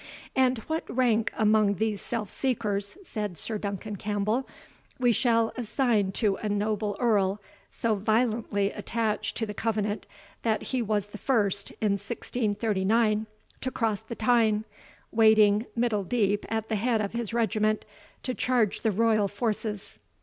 "And what rank among these self seekers," said Sir Duncan Campbell, "we shall assign to a noble Earl, so violently attached to the Covenant, that he was the first, in 1639, to cross the Tyne, wading middle deep at the head of his regiment, to charge the royal forces?